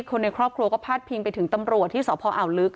คนในครอบครัวก็พาดพิงไปถึงตำรวจที่สพอ่าวลึก